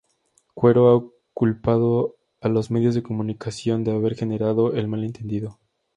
Cuero ha culpado a los medios de comunicación de haber generado el mal entendido.